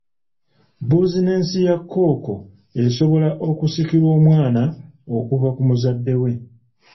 Buzinensi ya kkooko esobola okusikirwa omwana okuva ku muzadde we.